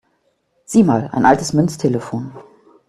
Sieh mal, ein altes Münztelefon!